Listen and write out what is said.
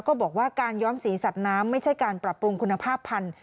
ก็บอกว่าการย้อมสีสัตว์น้ำไม่ใช่การปรับปรุงคุณภาพพันธุ